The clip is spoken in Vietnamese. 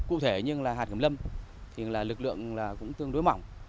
cụ thể như là hạt cẩm lâm thì lực lượng cũng tương đối mỏng